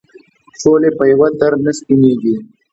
شولې په یوه در نه سپینېږي.